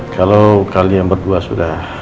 kalau kalian berdua sudah